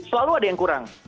selalu ada yang kurang